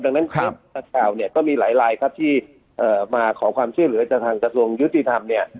ดังนั้นคลิปนักข่าวเนี่ยก็มีหลายลายครับที่มาขอความช่วยเหลือจากทางกระทรวงยุติธรรมเนี่ย